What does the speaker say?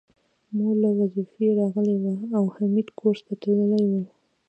مور له وظيفې راغلې وه او حميد کورس ته تللی و